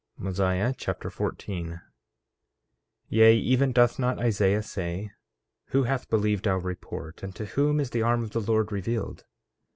Mosiah Chapter 14 14:1 Yea, even doth not Isaiah say: Who hath believed our report, and to whom is the arm of the Lord revealed?